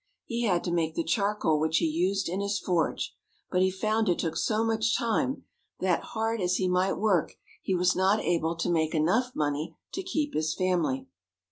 He had to make the charcoal which he used in his forge, 212 THE COAL REGIONS. but he found it took so much time that, hard as he might work, he was not able to make enough money to keep his family.